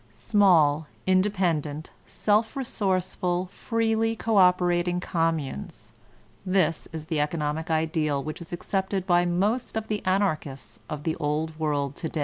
Small, independent, self resourceful, freely cooperating communes — ^this is the economic ideal which is accepted by most of the Anarchists of the Old World to day.